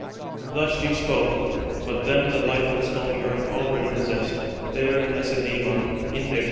Thus she spoke; but them the life bestowing earth already possessed: there in Lacedæmon, in their dear native land.